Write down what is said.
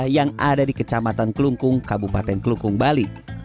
yang ada di kecamatan kelungkung kabupaten kelukung bali